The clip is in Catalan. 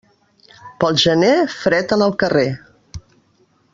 Pel gener, fred en el carrer.